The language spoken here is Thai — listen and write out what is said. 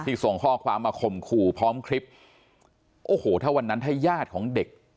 ส่งข้อความมาข่มขู่พร้อมคลิปโอ้โหถ้าวันนั้นถ้าญาติของเด็ก